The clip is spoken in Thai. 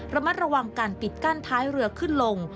ระมัดระวังการปิดกั้นท้ายเรือขึ้นลง